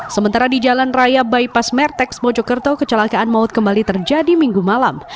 sementara di jalan raya bypass merteks mojokerto kecelakaan maut kembali terjadi minggu malam